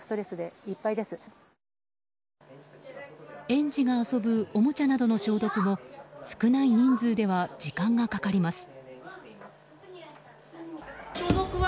園児が遊ぶおもちゃなどの消毒も少ない人数では時間がかかります。